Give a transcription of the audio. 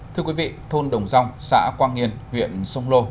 thưa quý vị thôn đồng dòng xã quang nghiên huyện sông lô